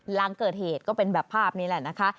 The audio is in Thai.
หลังเกิดเหตุก็เป็นแบบภาพนี้แหละนะคะ